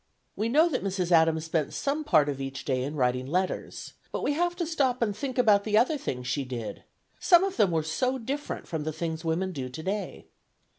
We know that Mrs. Adams spent some part of each day in writing letters; but we have to stop and think about the other things she did, some of them were so different from the things women do today.